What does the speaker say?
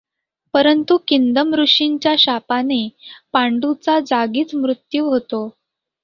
परंतु किंदम ऋषींच्या शापाने पांडूचा जागीच मृत्यु होतो.